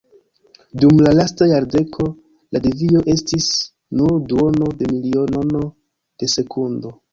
Dum la lasta jardeko la devio estis nur duono de milionono de sekundo.